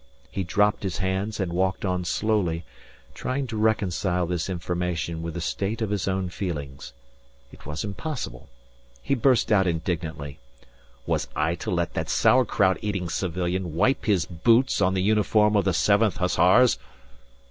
He dropped his hands and walked on slowly trying to reconcile this information with the state of his own feelings. It was impossible. He burst out indignantly: "Was I to let that sauerkraut eating civilian wipe his boots on the uniform of the Seventh Hussars?"